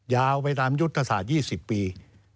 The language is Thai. ยาวไปตามยุทธศาสตร์๒๐ปี